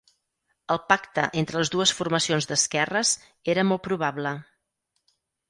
El pacte entre les dues formacions d'esquerres era molt probable.